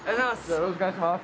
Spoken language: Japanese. よろしくお願いします。